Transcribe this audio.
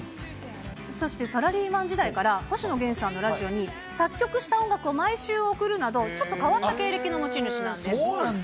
そしてサラリーマン時代から、星野源さんのラジオに作曲した音楽を毎週送るなど、ちょっと変わった経歴の持ち主なんです。